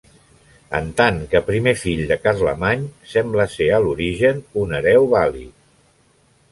En tant que primer fill de Carlemany, sembla ser a l'origen un hereu vàlid.